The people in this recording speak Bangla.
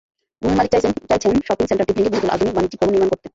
ভূমি মালিক চাইছেন শপিং সেন্টারটি ভেঙে বহুতল আধুনিক বাণিজ্যিক ভবন নির্মাণ করতে।